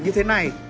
như thế này